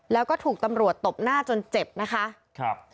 แล้วก็ถูกตำรวจตบหน้าจนเจ็บนะคะครับ